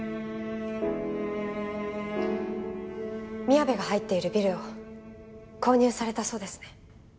みやべが入っているビルを購入されたそうですね。